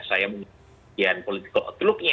saya mengikuti politikok klubnya